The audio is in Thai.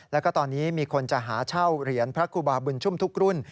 แล้วก็ตอนนี้มีคนจะหาเช่าเหรียญพระครูบาบุญชุ่มทุกรุ่น